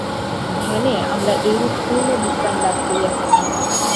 ধ্যানে আমরা এইরূপ পূর্ণ বিশ্রাম লাভ করিয়া থাকি।